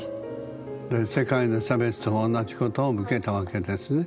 世界の差別と同じことを受けたわけですね。